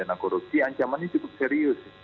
tapi dana korupsi ancamannya cukup serius